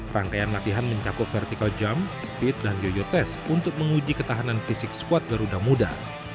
rangkaian latihan mencakup vertical jump speed dan yoyo test untuk menguji ketahanan fisik squad garuda muda